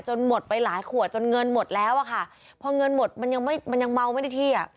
หมดไปหลายขวดจนเงินหมดแล้วอะค่ะพอเงินหมดมันยังไม่มันยังเมาไม่ได้ที่อ่ะ